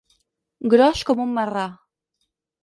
Gros com un marrà.